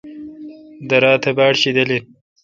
درا تہ باڑشیدل این۔